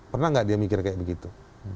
pernah nggak dia mikir kayak begitu